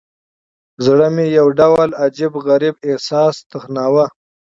زړه مې يو ډول عجيب، غريب احساس تخنوه.